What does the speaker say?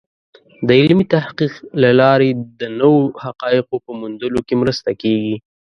د علمي تحقیق له لارې د نوو حقایقو په موندلو کې مرسته کېږي.